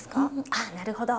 ああなるほど。